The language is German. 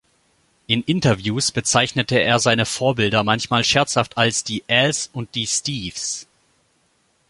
In Interviews bezeichnet er seine Vorbilder manchmal scherzhaft als die "Als und die Steves".